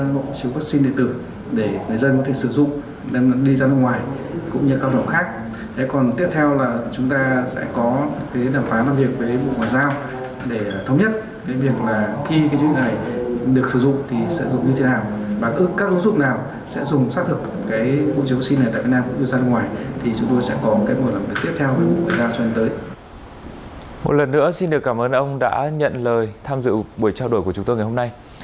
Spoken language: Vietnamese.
một lần nữa xin được cảm ơn ông đã nhận lời tham dự buổi trao đổi của chúng tôi ngày hôm nay